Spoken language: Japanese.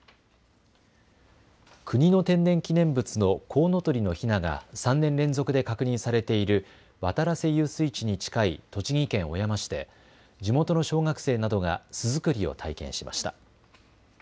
国の天然記念物のコウノトリのひなが３年連続で確認されている渡良瀬遊水地に近い栃木県小山市で地元の小学生などが巣作りを体験しました。